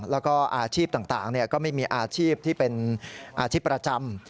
แล้วก็อาชีพต่างก็ไม่มีอาชีพที่เป็นอาชีพประจำ